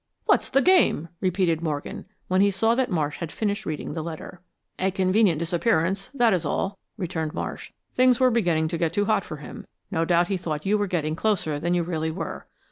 "What's the game?" repeated Morgan, when he saw that Marsh had finished reading the letter. "A convenient disappearance, that is all," returned Marsh. "Things were beginning to get too hot for him. No doubt he thought you were getting closer than you really were.